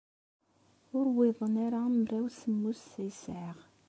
Ur uwiḍen ara mraw semmus ay sɛiɣ.